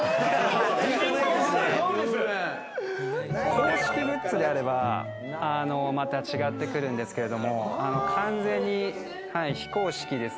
公式グッズであればまた違ってくるんですけれども完全に非公式ですので。